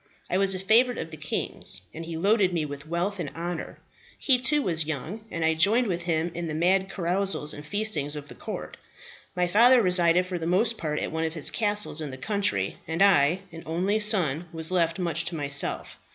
I was a favourite of the king's, and he loaded me with wealth and honour. He, too, was young, and I joined with him in the mad carousals and feastings of the court. My father resided for the most part at one of his castles in the country, and I, an only son, was left much to myself.